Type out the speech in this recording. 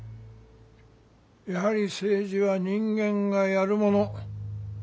やはり政治は人間がやるもの。